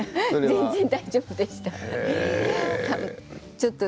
全然大丈夫でした。